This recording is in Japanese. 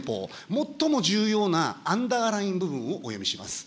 最も重要なアンダーライン部分をお読みします。